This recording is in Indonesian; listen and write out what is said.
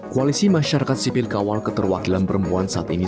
koalisi masyarakat sipil kawal keterwakilan perempuan saat ini